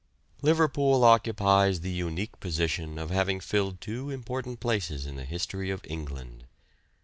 Liverpool occupies the unique position of having filled two important places in the history of England.